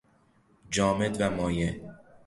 جامد و مایع